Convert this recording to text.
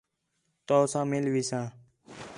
تؤ ساں مِل ویساں